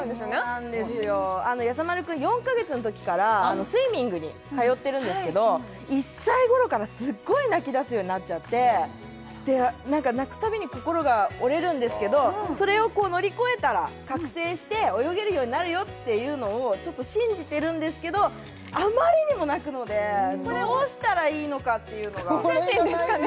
そうなんですよやさ丸くん４カ月のときからスイミングに通ってるんですけど１歳ごろからすっごい泣きだすようになっちゃって泣くたびに心が折れるんですけどそれを乗り越えたら覚醒して泳げるようになるよっていうのを信じてるんですけどあまりにも泣くのでどうしたらいいのかっていうのがお写真ですかね？